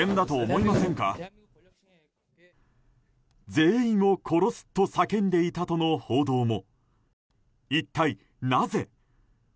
全員を殺すと叫んでいたとの報道も。